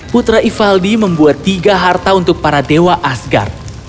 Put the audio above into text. putra ivaldi membuat tiga harta untuk para dewa asgar